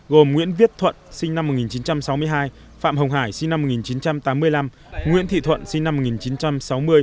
gồm nguyễn viết thuận sinh năm một nghìn chín trăm sáu mươi hai phạm hồng hải sinh năm một nghìn chín trăm tám mươi năm nguyễn thị thuận sinh năm một nghìn chín trăm sáu mươi